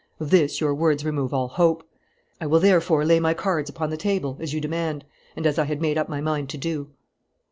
Of this your words remove all hope. I will therefore lay my cards upon the table, as you demand, and as I had made up my mind to do."